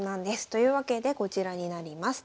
というわけでこちらになります。